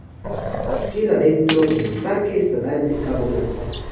Queda dentro del "Parque estatal de cabo Blanco".